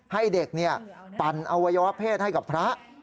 ให้เด็กปั่นอวัยวะเพศให้กับพระ